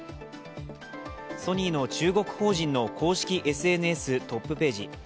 ソニーの中国法人の公式ＳＮＳトップページ。